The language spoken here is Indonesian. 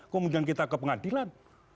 kemudian kita ke pengadilan